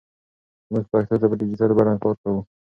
موږ پښتو ته په ډیجیټل بڼه کار کوو.